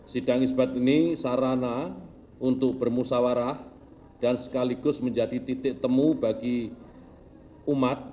sidang isbat ini sarana untuk bermusawarah dan sekaligus menjadi titik temu bagi umat